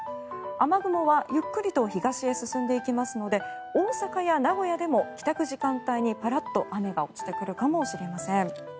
雨雲はゆっくりと東へ進んでいきますので大阪や名古屋でも帰宅時間帯にパラッと雨が落ちてくるかもしれません。